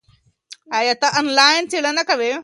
ایا ته آنلاین څېړنه کوې؟